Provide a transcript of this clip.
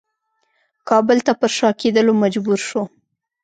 کابل ته پر شا کېدلو مجبور شو.